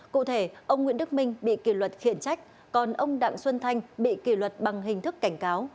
cụ thể ông nguyễn đức minh bị kỷ luật khiển trách còn ông đặng xuân thanh bị kỷ luật bằng hình thức cảnh cáo